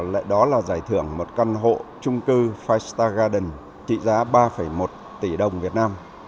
lệ đó là giải thưởng một căn hộ trung cư năm star garden trị giá ba một tỷ đồng việt nam